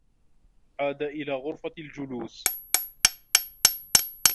عاد إلى غرفة الجلوس.